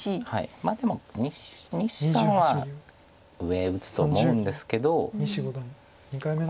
まあでも西さんは上打つと思うんですけどどうですかね。